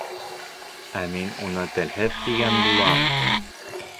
Ә мин уны телһеҙ тигән булам!